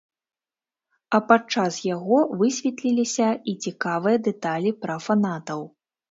А падчас яго высветліліся і цікавыя дэталі пра фанатаў.